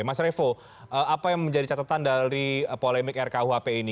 mas revo apa yang menjadi catatan dari polemik rkuhp ini